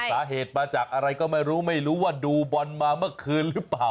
สาเหตุมาจากอะไรก็ไม่รู้ไม่รู้ว่าดูบอลมาเมื่อคืนหรือเปล่า